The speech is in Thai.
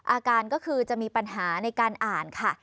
อาการก็คือจะมีปัญหาในการอ่านค่ะ